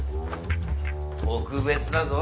特別だぞ。